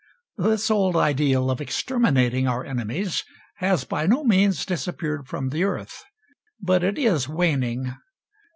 This old ideal of exterminating our enemies has by no means disappeared from the earth. But it is waning.